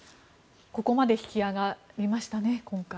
ここまで引き揚がりましたね。